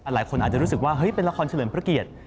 หลายคนอาจจะรู้สึกว่าเฮ้ยเป็นละครเฉลิมพระเกียรติ